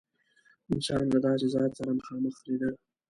انسان له داسې ذات سره مخامخ لیده.